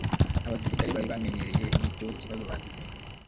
abasirikare bari bamenyereye nicyo kibazo bagize